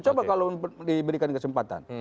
coba kalau diberikan kesempatan